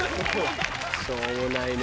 しょうもないね